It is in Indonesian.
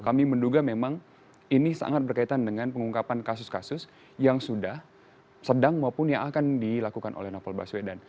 kami menduga memang ini sangat berkaitan dengan pengungkapan kasus kasus yang sudah sedang maupun yang akan dilakukan oleh novel baswedan